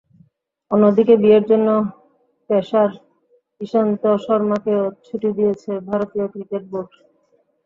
অন্যদিকে বিয়ের জন্য পেসার ইশান্ত শর্মাকেও ছুটি দিয়েছে ভারতীয় ক্রিকেট বোর্ড।